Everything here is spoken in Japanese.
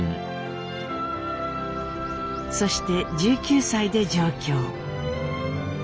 そして１９歳で上京。